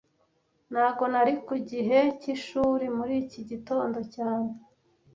Ntago nari ku gihe cyishuri muri iki gitondo cyane